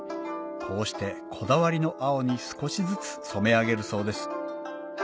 こうしてこだわりの青に少しずつ染め上げるそうです